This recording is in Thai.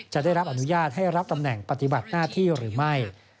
จะได้รับอนุญาตให้รับตำแหน่งปฏิบัติหน้าที่หรือไม่